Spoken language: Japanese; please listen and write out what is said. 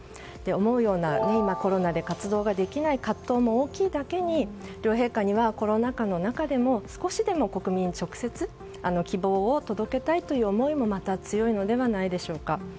思うようにコロナで活動ができない葛藤が大きいだけに両陛下にはコロナ禍の中でも少しでも国民に希望を届けたいという思いもまた強いのではないでしょうか。